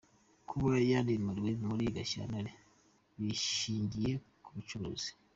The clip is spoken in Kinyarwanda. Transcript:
Kuba yarimuriwe muri Gashyantare bishingiye ku bucuruzi